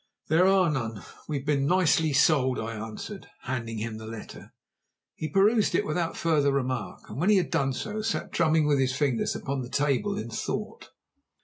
"There are none. We've been nicely sold," I answered, handing him the letter. He perused it without further remark, and when he had done so, sat drumming with his fingers upon the table in thought.